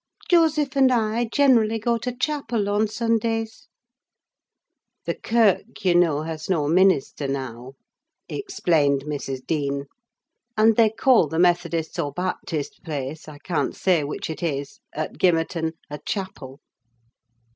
"Joseph and I generally go to chapel on Sundays:" the kirk, (you know, has no minister now, explained Mrs. Dean; and they call the Methodists' or Baptists' place, I can't say which it is, at Gimmerton, a chapel.)